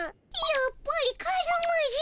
やっぱりカズマじゃ。